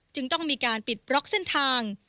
จึงต้องมีการปิดบล็อกเส้นทาง